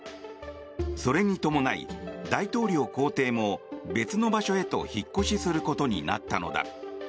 それに伴い、大統領公邸も別の場所へと引っ越しすることになったのだ。